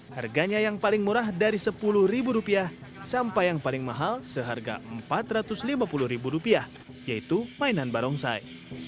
harganya yang paling murah dari rp sepuluh sampai yang paling mahal seharga rp empat ratus lima puluh yaitu mainan barongsai